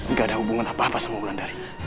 gak ada hubungan apa apa sama ulan dari